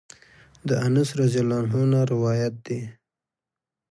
د انس رضی الله عنه نه روايت دی: